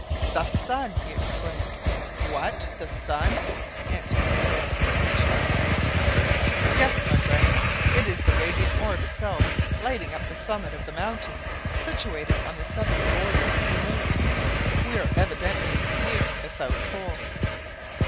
"The sun!" he exclaimed. "What! the sun?" answered Nicholl and Michel Ardan. "Yes, my friends, it is the radiant orb itself lighting up the summit of the mountains situated on the southern borders of the moon. We are evidently nearing the south pole."